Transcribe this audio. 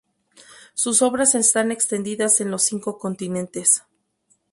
Sus obras están extendidas en los cinco continentes.